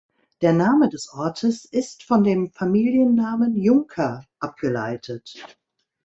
Der Name des Ortes ist von dem Familiennamen Junker abgeleitet.